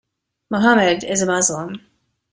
Mohammed is a Muslim.